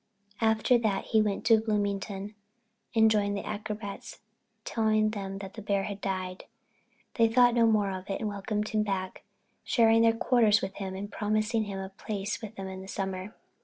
After that he went to Bloomington and joined the acrobats, telling them the bear had died. They thought no more about it and welcomed him back, sharing their quarters with him and promising him a place with them in the summer.